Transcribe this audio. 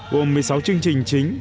gồm một mươi sáu chương trình chính